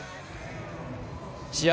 試合